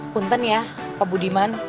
punten ya pak budiman